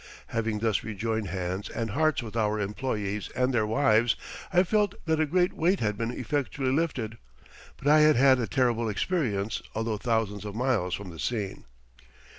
Having thus rejoined hands and hearts with our employees and their wives, I felt that a great weight had been effectually lifted, but I had had a terrible experience although thousands of miles from the scene.